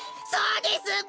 そうです！